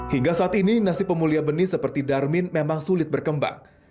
hingga saat ini nasib pemulia benih seperti darmin memang sulit berkembang